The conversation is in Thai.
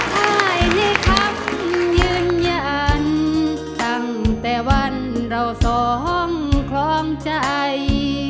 ได้นี่ครับยืนยันตั้งแต่วันเราสองคลองใจ